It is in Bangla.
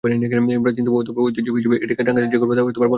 প্রাচীনতম ও ঐতিহ্য হিসেবে এটি টাঙ্গাইলের যে গর্ব তা বলার অপেক্ষা রাখে না।